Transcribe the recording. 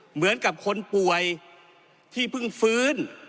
เหมือนกับคนป่วยที่เพิ่งฟื้น